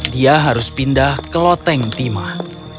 dia harus pindah ke loteng timah